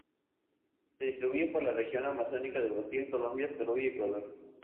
Se distribuye por la región amazónica de Brasil, Colombia, Perú y Ecuador.